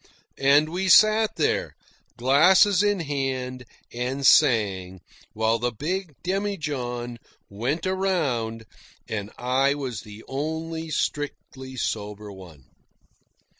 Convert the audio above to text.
And we sat there, glasses in hand, and sang, while the big demijohn went around; and I was the only strictly sober one.